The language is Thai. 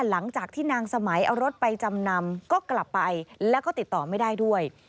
หลังจากที่นางสมัยเอารถไปจำนำก็กลับไปแล้วก็ติดต่อไม่ได้ด้วย